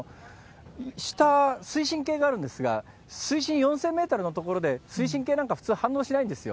下、水深計があるんですが、水深４０００メートルの所で、水深計なんか普通反応しないんですよ。